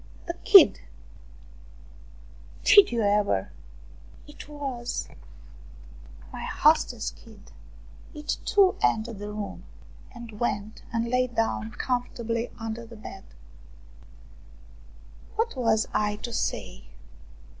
The kid ! Did you ever ! It was my 48 ROUMANIAN STORIES hostess' kid ! It, too, entered the room and went and lay down comfortably under the bed. What was I to say